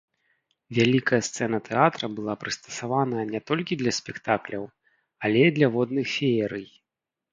Вялікая сцэна тэатра была прыстасаваная ня толькі для спектакляў, але і для водных феерый.